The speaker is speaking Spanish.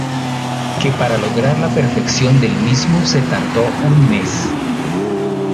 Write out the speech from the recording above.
Que para lograr la perfección del mismo se tardó un mes.